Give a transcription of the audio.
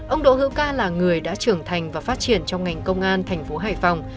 ông đỗ hữu ca là người đã trưởng thành và phát triển trong ngành công an thành phố hải phòng